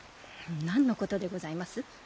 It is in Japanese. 何のことでございます？